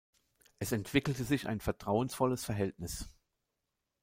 Es entwickelte sich ein vertrauensvolles Verhältnis.